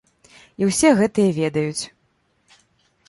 І ўсе гэтыя ведаюць.